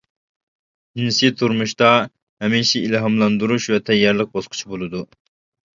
جىنسىي تۇرمۇشتا ھەمىشە ئىلھاملاندۇرۇش ۋە تەييارلىق باسقۇچى بولىدۇ.